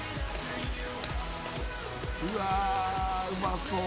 うわー、うまそう。